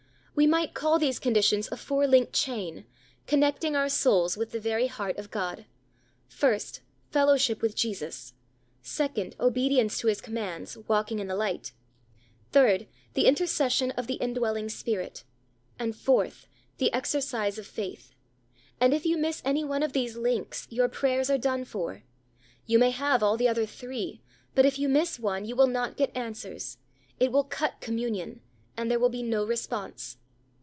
We might call these conditions a four linked chain, connecting our souls with the very heart of God. First, fellowship with Jesus; second, obedience to His commands, walking in the light; third, the intercession of the indwelling Spirit; and fourth, the exercise of faith; and if you miss any one of these links, your prayers are done for. You may have all the other three, but if you miss one, you will not get answers. It will cut communion, and there will be no response.